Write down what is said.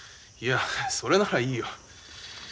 いやそれならいいよ。